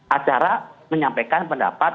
acara menyampaikan pendapat